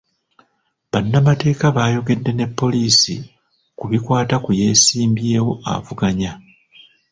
Bannamateeka baayogedde ne poliisi ku bikwata ku yeesimbyewo avuganya.